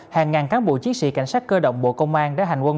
hàng ngàn cán bộ chiến sĩ cảnh sát cơ động bộ công an đã hành quân